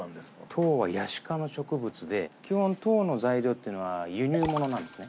籐はヤシ科の植物で基本籐の材料っていうのは輸入物なんですね。